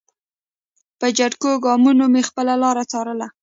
په چټکو ګامونو مې خپله لاره څارله.